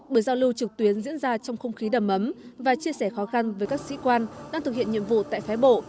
bữa giao lưu trực tuyến diễn ra trong không khí đầm ấm và chia sẻ khó khăn với các sĩ quan đang thực hiện nhiệm vụ tại phái bộ